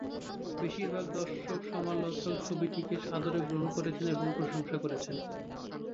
বেশিরভাগ দর্শক সমালোচক ছবিটিকে সাদরে গ্রহণ করেছেন এবং প্রশংসা করেছেন।